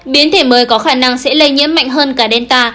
biến thể mới có khả năng sẽ lây nhiễm mạnh hơn cả delta